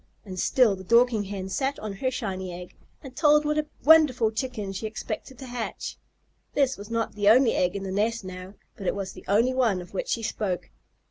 And still the Dorking Hen sat on her shiny egg and told what a wonderful Chicken she expected to hatch. This was not the only egg in the nest now, but it was the only one of which she spoke.